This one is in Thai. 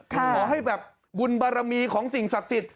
ขอให้แบบบุญบารมีของสิ่งศักดิ์สิทธิ